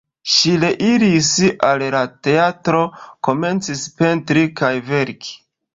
Ŝi reiris al la teatro, komencis pentri kaj verki.